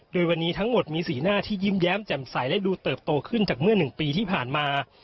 โดยวันนี้ทั้งหมดมีสีหน้าที่ยิ้มแย้มแจ่มใสและดูเติบโตขึ้นจากเมื่อ๑ปีที่ผ่านมา